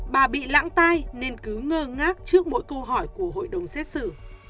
bà bị lãng tai nên cứ ngơ ngác trước mỗi câu hỏi của hội đồng xét xử